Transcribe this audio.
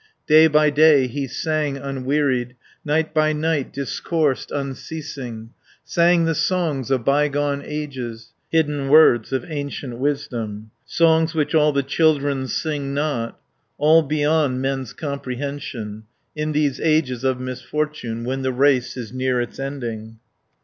Day by day he sang unwearied, Night by night discoursed unceasing, Sang the songs of by gone ages, Hidden words of ancient wisdom, 10 Songs which all the children sing not. All beyond men's comprehension, In these ages of misfortune, When the race is near Its ending.